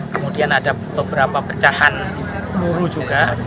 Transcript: kemudian ada beberapa pecahan peluru juga